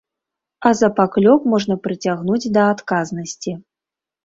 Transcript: А за паклёп можна прыцягнуць да адказнасці.